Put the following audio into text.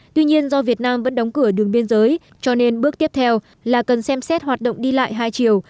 tuy nhiên do việt nam vẫn đóng cửa đường biên giới cho nên bước tiếp theo là cần xem xét hoạt động đi lại hai chiều